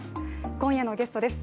今夜のゲストです。